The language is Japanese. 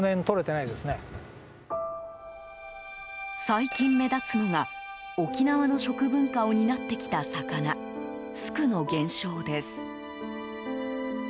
最近目立つのが沖縄の食文化を担ってきた魚スクの減少です。